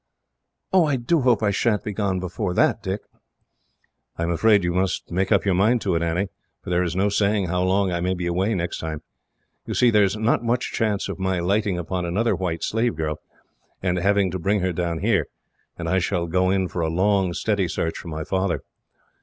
"Oh, I do hope I sha'n't be gone before that, Dick!" "I am afraid you must make up your mind to it, Annie, for there is no saying how long I may be away next time. You see, there is not much chance of my lighting upon another white slave girl, and having to bring her down here; and I shall go in for a long, steady search for my father."